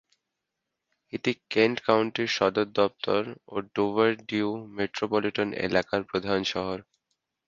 এটি কেন্ট কাউন্টির সদর দপ্তর ও ডোভার-ডিই মেট্রোপলিটন এলাকার প্রধান শহর।